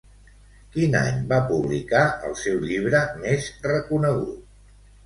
Quin any va publicar el seu llibre més reconegut?